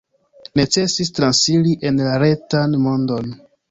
Necesis transiri en la retan mondon.